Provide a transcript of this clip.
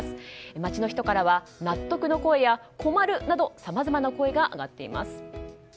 街の人からは納得の声や困るなどさまざまな声が上がっています。